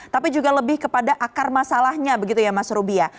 tapi juga lebih kepada akar masalahnya begitu ya mas ruby ya